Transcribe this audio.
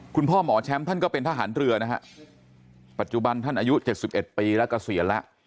คุณหมอแชมป์ท่านก็เป็นทหารเรือนะฮะปัจจุบันท่านอายุ๗๑ปีแล้วเกษียณแล้ว